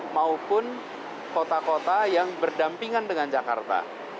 maupun kota kota yang berdampingan dengan jakarta